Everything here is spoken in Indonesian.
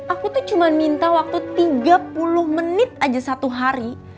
aku tuh cuma minta waktu tiga puluh menit aja satu hari